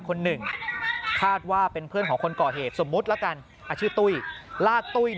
คนหนึ่งคาดว่าเป็นเพื่อนของคนก่อเหตุสมมุติละกันชื่อตุ้ยลาดตุ้ย